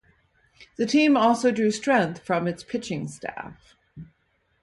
The team also drew strength from its pitching staff.